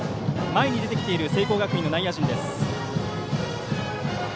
前に出てきている聖光学院の内野陣です。